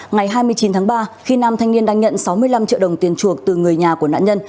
ngày hai mươi chín tháng ba khi nam thanh niên đang nhận sáu mươi năm triệu đồng tiền chuộc từ người nhà của nạn nhân